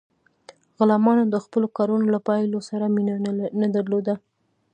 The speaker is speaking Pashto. غلامانو د خپلو کارونو له پایلو سره مینه نه درلوده.